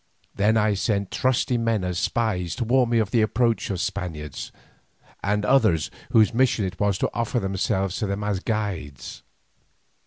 Then I sent trusty men as spies to warn me of the approach of the Spaniards, and others whose mission it was to offer themselves to them as guides.